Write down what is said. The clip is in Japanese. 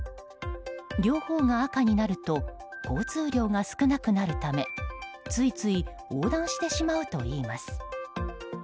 両方が赤になると交通量が少なくなるためついつい横断してしまうといいます。